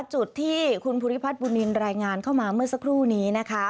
จุดที่คุณภูริพัฒนบุญนินรายงานเข้ามาเมื่อสักครู่นี้นะคะ